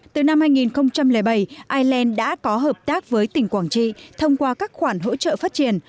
từ năm hai nghìn bảy ireland đã có hợp tác với tỉnh quảng trị thông qua các khoản hỗ trợ phát triển